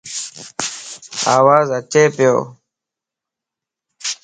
آواز اچي پيو؟